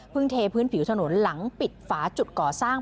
เทพื้นผิวถนนหลังปิดฝาจุดก่อสร้าง